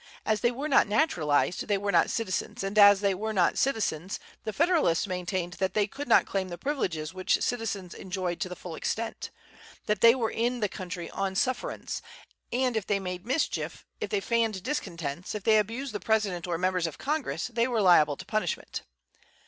As they were not naturalized, they were not citizens; and as they were not citizens, the Federalists maintained that they could not claim the privileges which citizens enjoyed to the full extent, that they were in the country on sufferance, and if they made mischief, if they fanned discontents, if they abused the President or the members of Congress, they were liable to punishment.